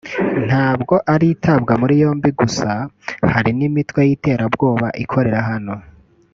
ntabwo ari itabwa muri yombi gusa hari n’imitwe y’iterabwoba ikorera hano